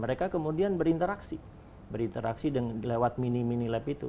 mereka kemudian berinteraksi berinteraksi lewat mini mini lab itu